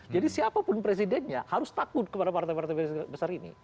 jadi siapapun presidennya harus takut kepada partai partai besar ini